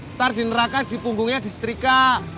ntar di neraka di punggungnya di setrika